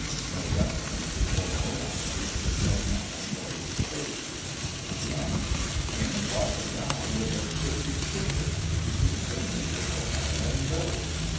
No reference before or after to the said man or his fate. Again :" 'Came across a dhow with a Turkish skipper. He seemed so miserable that I let him go."